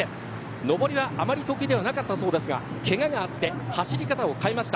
上りはあまり得意ではなかったそうですが、けががあって走り方を変えました。